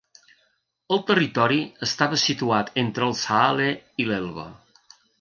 El territori estava situat entre el Saale i l'Elba.